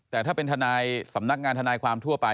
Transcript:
แต่ถ้าเป็นทนายสำนักงานทนายความทั่วไป